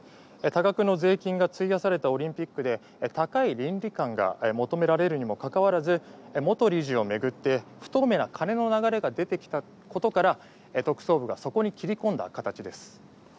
多額の税金が費やされたオリンピックで、高い倫理観が求められるにもかかわらず元理事を巡って不透明な金の流れが出てきたことから特捜部がそこに切り込んだ形です。